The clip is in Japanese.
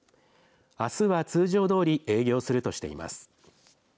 あすは通常どおり営業するとしています。